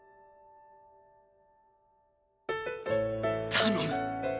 頼む！